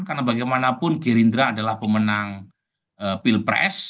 karena bagaimanapun gerindra adalah pemenang pilpres